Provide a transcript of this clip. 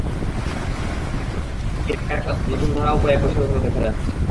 তবে এদেশ-ওদেশ মিলিয়ে থাকার একটা নতুন ধারাও কয়েক বছর হলো দেখা যাচ্ছে।